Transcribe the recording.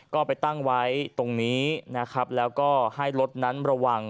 ก็ไปตั้งไว้ตรงนี้นะครับแล้วก็ให้รถนั้นระวัง